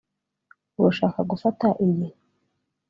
Urashaka gufata iyi